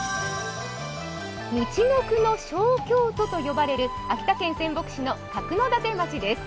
みちのくの小京都と呼ばれる秋田県仙北市の角館町です。